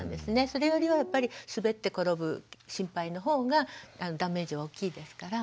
それよりは滑って転ぶ心配の方がダメージは大きいですから。